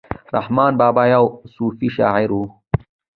رحمان بابا یو صوفي شاعر ؤ